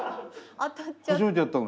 当たったの。